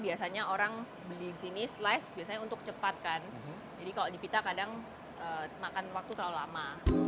biasanya orang beli di sini slice biasanya untuk cepat kan jadi kalau dipita kadang makan waktu terlalu lama